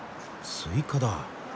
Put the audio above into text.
スイカだ。